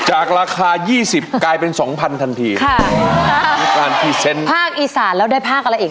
อาคายี่สิบกลายเป็นสองพันทันทีภาคอีสานแล้วได้ภาคอะไรอีก